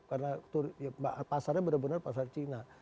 karena pasarnya benar benar pasar cina